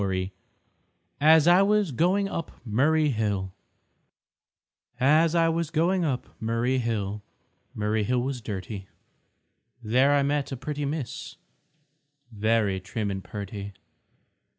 _ AS I WAS GOING UP MURRAY HILL As I was going up Murray Hill, Murray Hill was dirty; There I met a pretty Miss, Very trim and perty.